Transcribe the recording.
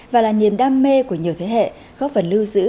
và là niềm đam mê của nhiều thế hệ góp phần lưu giữ